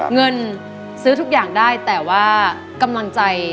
เงินซื้อทุกอย่างได้แต่ว่ากำลังใจ